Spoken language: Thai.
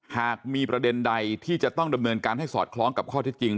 หากมีประเด็นใดที่จะต้องดำเนินการให้สอดคล้องกับข้อเท็จจริง